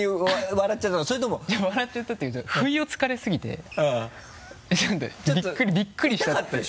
笑っちゃったっていうか不意を突かれすぎてちょっとびっくりしたって。